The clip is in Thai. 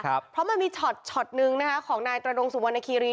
ครับเพราะมันมีชอดชอดหนึ่งนะฮะของนายตระลงสุวณคีรี